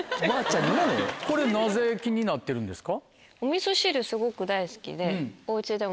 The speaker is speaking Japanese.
これなぜ気になってるんですか？